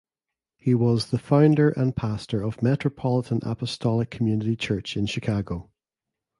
He was the founder and pastor of Metropolitan Apostolic Community Church in Chicago.